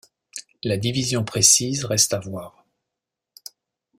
La division précise reste à voir.